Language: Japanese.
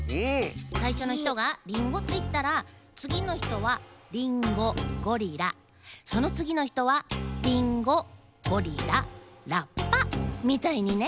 さいしょのひとが「リンゴ」っていったらつぎのひとは「リンゴゴリラ」そのつぎのひとは「リンゴゴリララッパ」みたいにね！